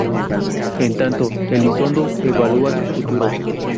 En tanto, Elizondo evalúa su futuro.